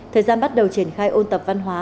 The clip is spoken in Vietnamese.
thời gian bắt đầu triển khai ôn tập văn hóa